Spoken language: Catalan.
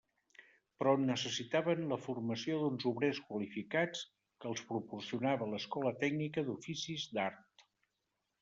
Però necessitaven la formació d'uns obrers qualificats que els proporcionava l'Escola Tècnica d'Oficis d'Art.